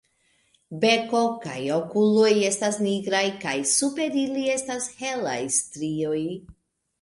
Beko kaj okuloj estas nigraj kaj super ili estas helaj strioj.